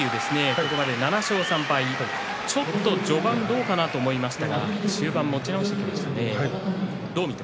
ここまで７勝３敗序盤どうかなと思いましたが中盤、持ち直してきましたね。